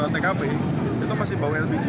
tkp itu masih bawa lpg